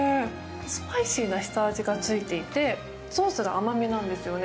スパイシーな下味がついていてソースが甘めなんですよね。